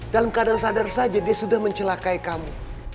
dalam keadaan sadar saja dia sudah mencelakai kamu